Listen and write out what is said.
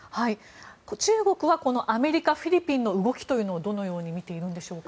中国はアメリカ、フィリピンの動きというのをどのように見ているんでしょうか。